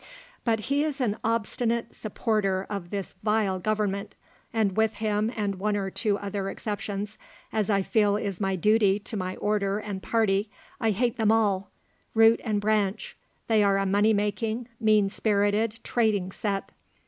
But he is an obstinate supporter of this vile government, and with him and one or two other exceptions, as I feel is my duty to my order and party, I hate them all, root and branch; they are a money making, mean spirited, trading set.